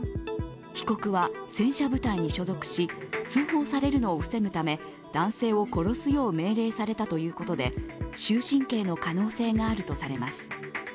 被告は戦車部隊に所属し、通報されるのを防ぐため男性を殺すよう命令されたということで終身刑の可能性があるとされます。